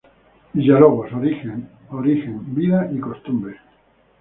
Villalobos: Orígenes, Vida y Costumbres